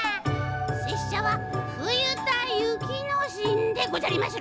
せっしゃは「ふゆたゆきのしん」でごじゃりまする。